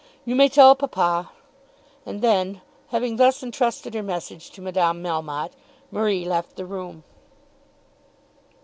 You may tell papa." And then, having thus entrusted her message to Madame Melmotte, Marie left the room.